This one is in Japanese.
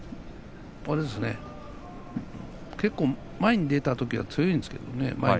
結構前に出たときは強いんですよ。